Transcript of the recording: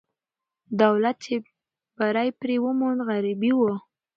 دولت چې بری پرې وموند، غربي وو.